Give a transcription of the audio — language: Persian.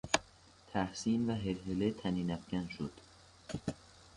تحسین و هلهله طنینافکن شد.